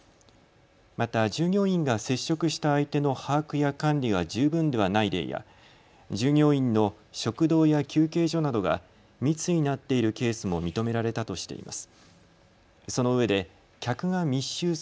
また従業員が接触した相手の把握や管理が十分ではない例や従業員の食堂や休憩所などが密になっているケースも認められたとしています。